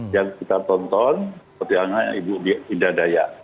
yang kita tonton seperti yang ibu indah daya